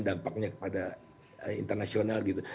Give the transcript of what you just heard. dampaknya kepada internasional gitu